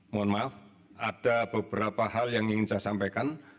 mohon maaf ada beberapa hal yang ingin saya sampaikan